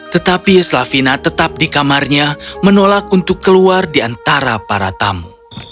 tetapi slavina tetap di kamarnya menolak untuk keluar di antara para tamu